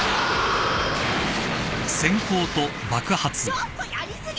ちょっとやり過ぎ！